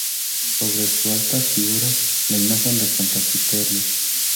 Sobre su altar figura la imagen de Santa Quiteria.